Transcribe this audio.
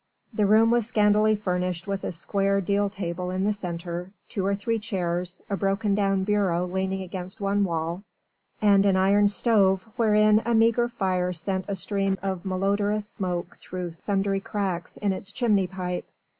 The room was scantily furnished with a square deal table in the centre, two or three chairs, a broken down bureau leaning against one wall and an iron stove wherein a meagre fire sent a stream of malodorous smoke through sundry cracks in its chimney pipe.